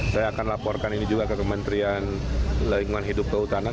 saya akan laporkan ini juga ke kementerian lingkungan hidup kehutanan